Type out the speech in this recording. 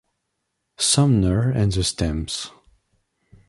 Sumner and The Stamps.